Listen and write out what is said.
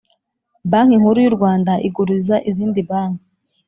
Banki Nkuru y’ u Rwanda iguriza izindi banki.